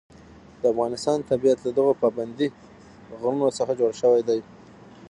د افغانستان طبیعت له دغو پابندي غرونو څخه جوړ شوی دی.